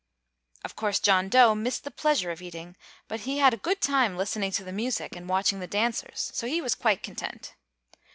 Of course John Dough missed the pleasure of eating, but he had a good time listening to the music and watching the dancers; so he was quite content.